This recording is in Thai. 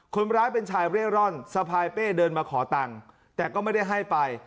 คนร้ายเป็นชายเร่ร่อนสะพายเป้เดินมาขอตังค์แต่ก็ไม่ได้ให้ไป